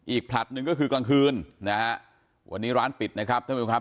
อีกผลัดหนึ่งก็คือกลางคืนนะฮะวันนี้ร้านปิดนะครับ